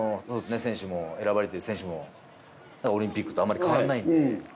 選ばれてる選手もオリンピックとあんまり変わらないんで。